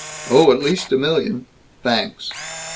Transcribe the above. Oh, at least a million. Thanks!"